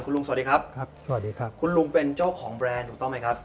คุณลุงสวัสดีครับคุณลุงเป็นเจ้าของแบรนด์ถูกต้องไหมครับ